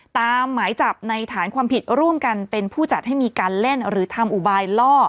หมายจับในฐานความผิดร่วมกันเป็นผู้จัดให้มีการเล่นหรือทำอุบายล่อ